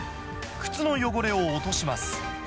靴の汚れを落とします。